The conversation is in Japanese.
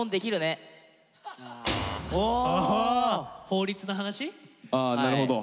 法律の話？